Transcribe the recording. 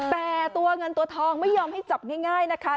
แต่ตัวเงินตัวทองไม่ยอมให้จับง่ายนะคะ